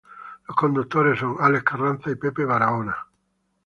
Los conductores son Alex Carranza y Pepe Barahona.